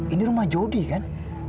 ini rumah jodi kan